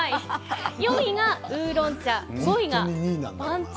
４位がウーロン茶、５位が番茶。